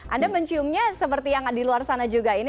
anda menciumnya seperti yang di luar sana juga ini